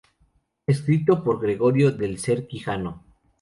Escrito por Gregorio del Ser Quijano.